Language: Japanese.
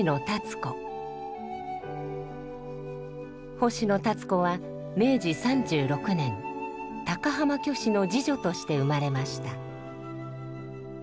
星野立子は明治３６年高浜虚子の次女として生まれました。